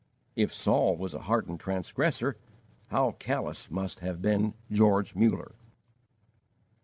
If Saul was a hardened transgressor, how callous must have been George Muller!